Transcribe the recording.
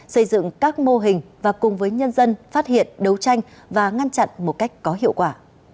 xây dựng các mô hình và cùng với nhân dân phát hiện đấu tranh và ngăn chặn một cách có hiệu quả